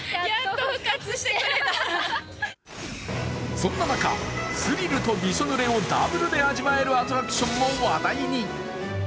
そんな中、スリルとびしょぬれをダブルで味わえるアトラクションも話題に。